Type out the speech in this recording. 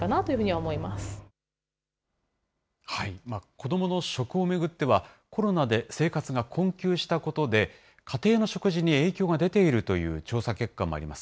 子どもの食を巡っては、コロナで生活が困窮したことで、家庭の食事に影響が出ているという調査結果もあります。